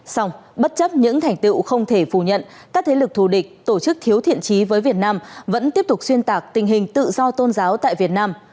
xong bất chấp những thành tựu không thể phủ nhận các thế lực thù địch tổ chức thiếu thiện trí với việt nam vẫn tiếp tục xuyên tạc tình hình tự do tôn giáo tại việt nam